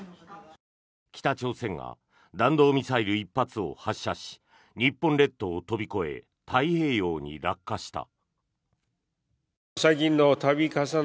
北朝鮮が弾道ミサイル１発を発射し日本列島を飛び越え太平洋に落下した。